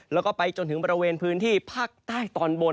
แล้วก็ไปจนถึงบริเวณพื้นที่ภาคใต้ตอนบน